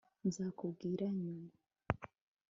nzakubwira nyuma